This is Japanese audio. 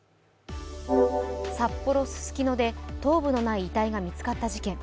札幌・ススキノで頭部のない遺体が見つかった事件。